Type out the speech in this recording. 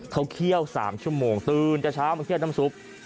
เขาเคี่ยว๓ชั่วโมงตื่นจะช้าเพื่อน้ำสุป